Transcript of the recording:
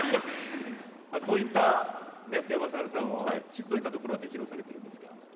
こういった福山雅治さんをどういったところでご披露されてるんですか？